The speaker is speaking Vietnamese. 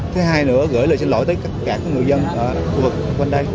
thứ hai nữa gửi lời xin lỗi tới các người dân ở khu vực quanh đấy